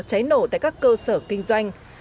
cháy nổ tại các cơ sở kinh doanh